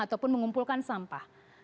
ataupun mengumpulkan sampah